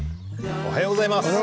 おはようございます。